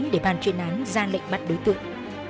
đề bàn chuyên án ra lệnh bắt đối tượng